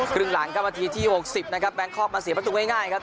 ขึ้นหลังก็มาทีที่๖๐นะครับแบงค์คอร์ฟมาเสียประตูงง่ายครับ